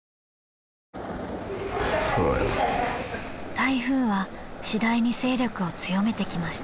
［台風は次第に勢力を強めてきました］